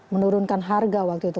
menurunkan harga waktu itu